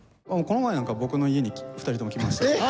この前なんか僕の家に２人とも来ました。